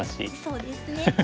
そうですね。